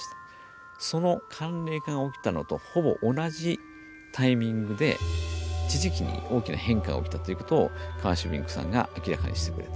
その寒冷化が起きたのとほぼ同じタイミングで地磁気に大きな変化が起きたということをカーシュビンクさんが明らかにしてくれた。